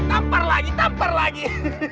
tampar lagi tampar lagi